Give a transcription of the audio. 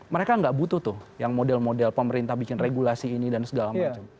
mereka nggak butuh tuh yang model model pemerintah bikin regulasi ini dan segala macam